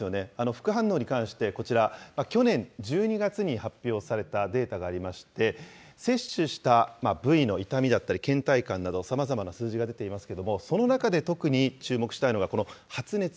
副反応に関してこちら、去年１２月に発表されたデータがありまして、接種した部位の痛みだったり、けん怠感などさまざまな数字が出ていますけれども、その中で特に注目したいのが、この発熱。